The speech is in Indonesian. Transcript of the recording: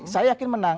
saya yakin menang